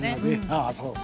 ああそうそう。